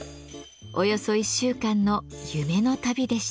およそ１週間の夢の旅でした。